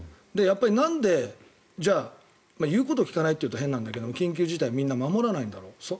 なんで、じゃあ言うことを聞かないというと変だけど、緊急事態をみんな守らないんだろう